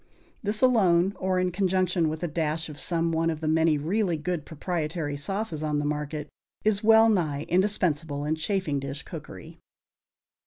This alone or in conjunction with a dash of some one of the many really good proprietary sauces on the market is well nigh indispensable in chafing dish cookery.